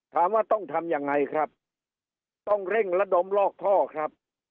ถามว่าต้องทำยังไงครับต้องเร่งระดมลอกท่อครับ